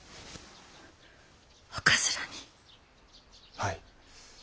はい。